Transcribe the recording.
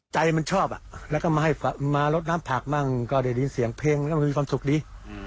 ใจมันชอบแล้วก็มาให้มาลดน้ำผักมั่งก็ได้ยินเสียงเพลงแล้วมันมีความสุขดี